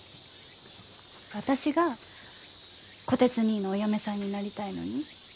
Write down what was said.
私が虎鉄にいのお嫁さんになりたいのに？